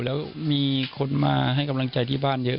แล้วมีคนมาให้กำลังใจที่บ้านเยอะ